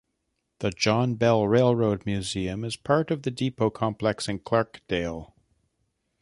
The John Bell Railroad Museum is part of the depot complex in Clarkdale.